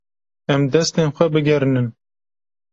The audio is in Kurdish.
Em destên xwe bigerînin.